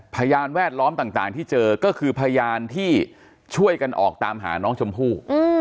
พยานแวดล้อมต่างที่เจอก็คือพยานที่ช่วยกันออกตามหาน้องชมพู่